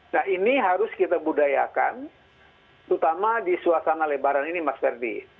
nah ini harus kita budayakan terutama di suasana lebaran ini mas ferdi